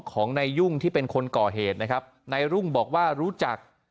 ของนายยุ่งที่เป็นคนก่อเหตุนะครับนายรุ่งบอกว่ารู้จัก